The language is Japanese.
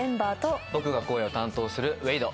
僕が声を担当するウェイド。